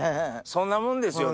そんなもんですよね。